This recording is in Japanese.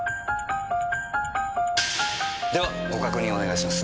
ではご確認お願いします。